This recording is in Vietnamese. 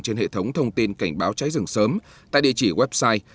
trên hệ thống thông tin cảnh báo cháy rừng sớm tại địa chỉ website